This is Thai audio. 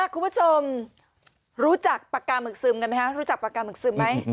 คุณผู้ชมรู้จักปากกาหมึกซึมกันไหมคะรู้จักปากกาหมึกซึมไหม